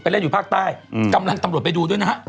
เล่นอยู่ภาคใต้กำลังตำรวจไปดูด้วยนะฮะ